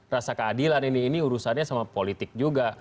rasa keadilan ini ini urusannya sama politik juga